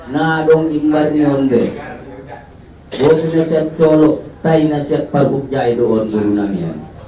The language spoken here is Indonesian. nadong imbarnionde wadunaset colok tainaset paghubjai doon burunamion